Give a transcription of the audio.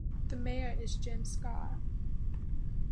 The mayor is Jim Scott.